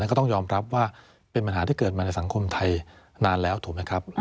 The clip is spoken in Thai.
ก็ต้องยอมรับว่าเป็นปัญหาที่เกิดมาในสังคมไทยนานแล้วถูกไหมครับ